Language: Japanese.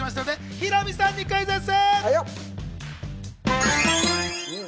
ヒロミさんにクイズッス！